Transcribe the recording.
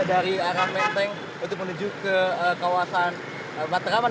dari arah menteng untuk menuju ke kawasan matraman